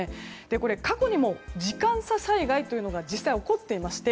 これは過去にも時間差災害というのが実際、起こっていまして。